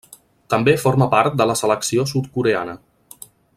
També forma part de la selecció sud-coreana.